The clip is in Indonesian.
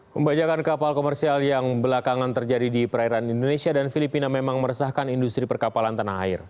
pembajakan kapal komersial yang belakangan terjadi di perairan indonesia dan filipina memang meresahkan industri perkapalan tanah air